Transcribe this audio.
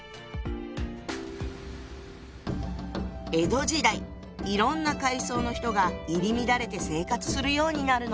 江戸時代いろんな階層の人が入り乱れて生活するようになるの。